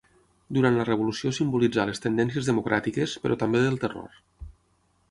Durant la Revolució simbolitzà les tendències democràtiques però també del Terror.